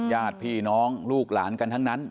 ญาติพี่น้องลูกหลานกันทั้งนั้น